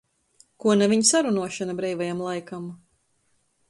Kuo naviņ sarunuošona breivajam laikam.